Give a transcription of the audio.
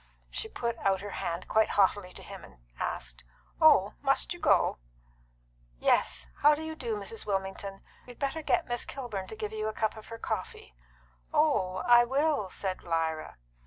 She put out her hand quite haughtily to him and asked, "Oh, must you go?" "Yes. How do you do, Mrs. Wilmington? You'd better get Miss Kilburn to give you a cup of her coffee." "Oh, I will," said Lyra.